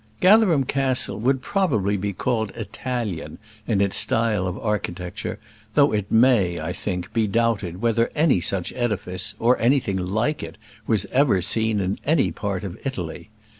Gatherum Castle would probably be called Italian in its style of architecture; though it may, I think, be doubted whether any such edifice, or anything like it, was ever seen in any part of Italy.